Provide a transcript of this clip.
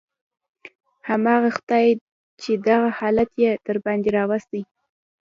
همغه خداى چې دغه حالت يې درباندې راوستى.